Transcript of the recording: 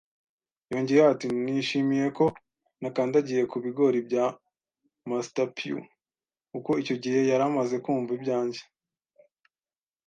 yongeyeho ati: “Nishimiye ko nakandagiye ku bigori bya Master Pew,” kuko icyo gihe yari amaze kumva ibyanjye